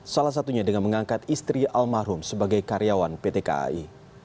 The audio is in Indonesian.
salah satunya dengan mengangkat istri almarhum sebagai karyawan pt kai